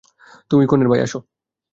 তুমিই তো কনের ভাই, আসো।